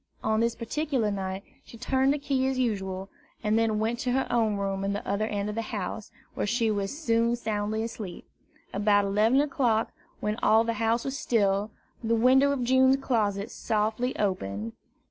On this particular night she turned the key as usual, and then went to her own room at the other end of the house, where she was soon soundly asleep. About eleven o'clock, when all the house was still, the window of June's closet softly opened.